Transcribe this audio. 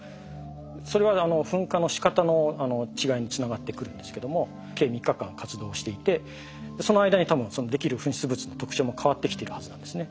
それは噴火のしかたの違いにつながってくるんですけども計３日間活動していてその間に多分できる噴出物の特徴も変わってきてるはずなんですね。